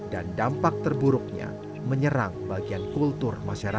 dan dampak terburuknya menyerang bagian kultur masyarakat